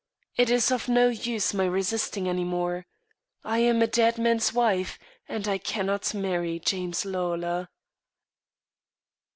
It is of no use my resisting any more. I am a dead man's wife, and I cannot marry James Lawlor."